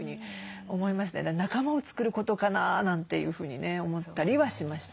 仲間を作ることかななんていうふうにね思ったりはしました。